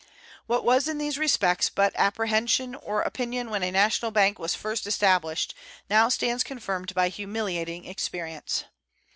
What was in these respects but apprehension or opinion when a national bank was first established now stands confirmed by humiliating experience.